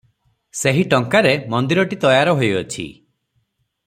ସେହି ଟଙ୍କାରେ ମନ୍ଦିରଟି ତୟାର ହୋଇଅଛି ।